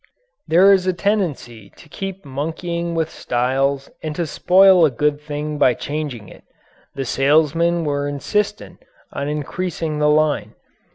There is a tendency to keep monkeying with styles and to spoil a good thing by changing it. The salesmen were insistent on increasing the line.